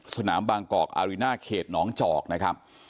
สนามบางกอกอาริน่าเขตหนองจอกนะครับ